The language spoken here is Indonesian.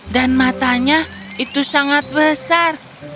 dan matanya itu sangat besar